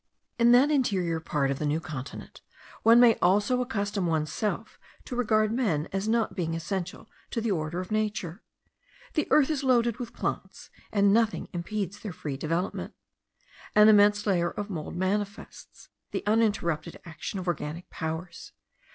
In that interior part of the New Continent one may almost accustom oneself to regard men as not being essential to the order of nature. The earth is loaded with plants, and nothing impedes their free development. An immense layer of mould manifests the uninterrupted action of organic powers.